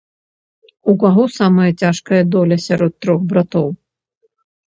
У каго самая цяжкая доля сярод трох братоў?